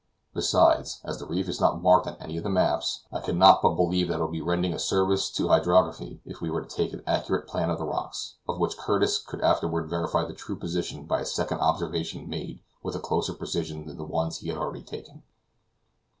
Besides, as the reef is not marked in any of the maps, I could not but believe that it would be rendering a service to hydrography if we were to take an accurate plan of the rocks, of which Curtis could afterward verify the true position by a second observation made with a closer precision than the one he has already taken.